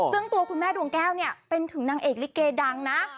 ซึ่งตัวคุณแม่ดวงแก้วเนี่ยเป็นถึงนางเอกลิเกดังนะ